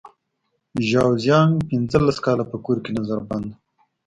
ژاو زیانګ پنځلس کاله په کور کې نظر بند و.